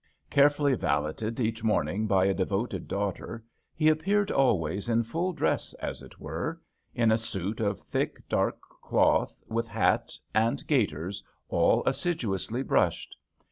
Carefully valeted each morning by a de voted daughter, he appeared always in full dress, as it were ; in a suit of thick/ tlark cloth, with hat and gaiters, all assiduously brushed.